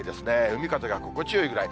海風が心地よいぐらい。